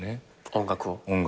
音楽を。